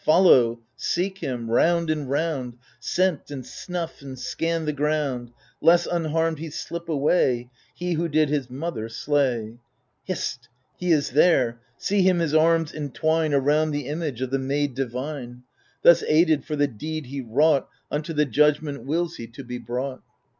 Follow, seek him ^round and roimd Scent and snuff and scan the ground, Lest unharmed he slip away, He who did his mother slay !. Hist — ^he is there 1 See him his arms entwine Around the image of the maid divine — Thus aided, for the deed he wrought Unto the judgment wills he to be brought.